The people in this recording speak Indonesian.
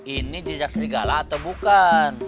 ini jejak serigala atau bukan